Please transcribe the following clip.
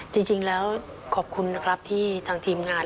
จริงแล้วขอบคุณนะครับที่ทางทีมงาน